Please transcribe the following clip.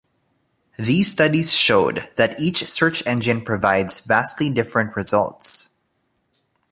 These studies showed that each search engine provides vastly different results.